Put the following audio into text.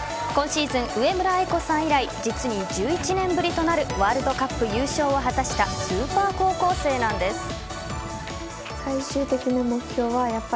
今シーズン、上村愛子さん以来実に１１年ぶりとなるワールドカップ優勝を果たしたスーパー高校生なんです。